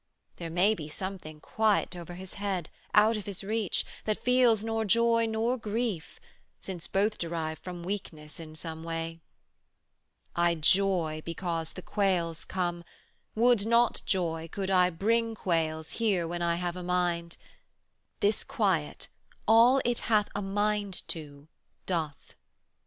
There may be something quiet o'er His head, Out of His reach, that feels nor joy nor grief, Since both derive from weakness in some way. I joy because the quails come; would not joy 135 Could I bring quails here when I have a mind: This Quiet, all it hath a mind to, doth.